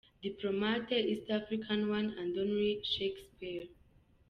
Diplomat, East African, one and only Shakespeare.